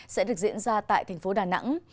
sẽ được diễn ra tại thành phố đà nẵng